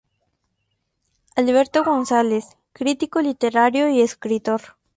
Alberto González, crítico literario y escritor.